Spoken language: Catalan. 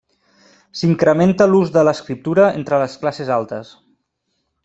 S'incrementa l'ús de l'escriptura entre les classes altes.